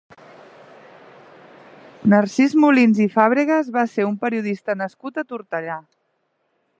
Narcís Molins i Fàbregas va ser un periodista nascut a Tortellà.